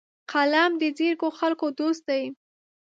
قلم د ځیرکو خلکو دوست دی